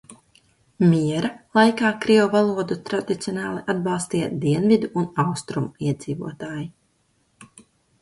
Miera laikā krievu valodu tradicionāli atbalstīja dienvidu un austrumu iedzīvotāji.